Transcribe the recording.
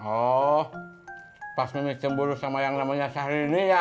oh pas mimi cemburu sama yang namanya syahrini ya